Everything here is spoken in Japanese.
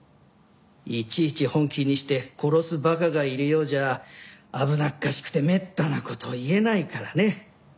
いちいち本気にして殺す馬鹿がいるようじゃ危なっかしくてめったな事言えないからね。